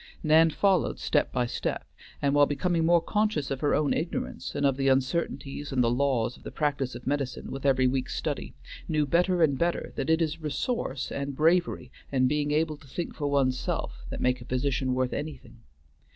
Nan followed step by step, and, while becoming more conscious of her own ignorance and of the uncertainties and the laws of the practice of medicine with every week's study, knew better and better that it is resource, and bravery, and being able to think for one's self, that make a physician worth anything.